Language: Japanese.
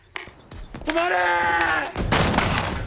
止まれー！